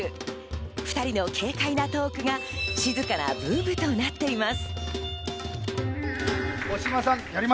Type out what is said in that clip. ２人の軽快なトークが静かなブームとなっています。